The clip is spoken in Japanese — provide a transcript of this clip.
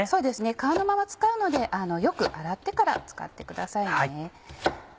皮のまま使うのでよく洗ってから使ってくださいね。